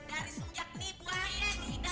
dia bikin cakap cakap sama satu kak